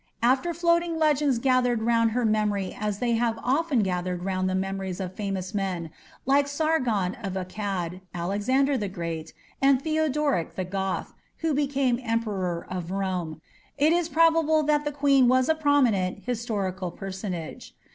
Although floating legends gathered round her memory as they have often gathered round the memories of famous men, like Sargon of Akkad, Alexander the Great, and Theodoric the Goth, who became Emperor of Rome, it is probable that the queen was a prominent historical personage.